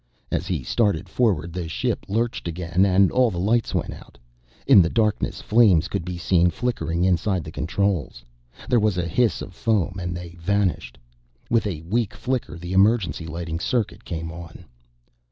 As he started forward the ship lurched again and all the lights went out. In the darkness flames could be seen flickering inside the controls. There was a hiss of foam and they vanished. With a weak flicker the emergency lighting circuit came on.